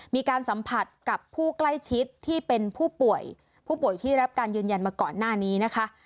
มีการสัมผัสกับผู้ใกล้ชิดที่เป็นผู้ป่วยผู้ป่วยที่รับการยืนยันมาก่อนหน้านี้นะคะ